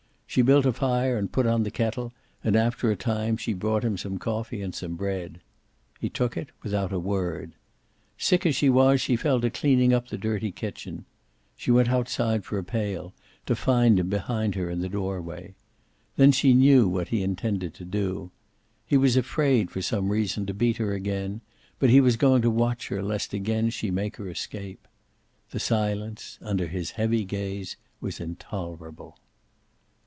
She built a fire and put on the kettle, and after a time she brought him some coffee and some bread. He took it without a word. Sick as she was, she fell to cleaning up the dirty kitchen. She went outside for a pail, to find him behind her in the doorway. Then she knew what he intended to do. He was afraid, for some reason, to beat her again, but he was going to watch her lest again she make her escape. The silence, under his heavy gaze, was intolerable.